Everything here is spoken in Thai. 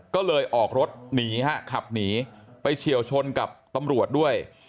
ก็เลยออกรถหนีฮะขับหนีไปเฉียวชนกับตำรวจด้วย